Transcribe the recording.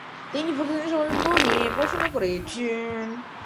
তিনি প্রতিষ্ঠানটিতে সমাজতত্ত্ব নিয়ে পড়াশোনা করেছেন।